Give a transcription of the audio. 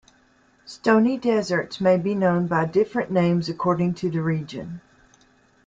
Stony deserts may be known by different names according to the region.